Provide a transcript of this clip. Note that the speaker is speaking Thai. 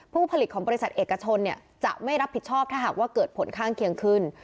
ผู้ผลิตของบริษัทเอกชนจะไม่รับผิดชอบถ้าหากว่าเกิดผลข้างเคียงขึ้น